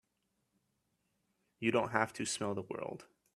You don't have to smell the world!